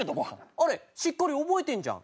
あれしっかり覚えてんじゃん。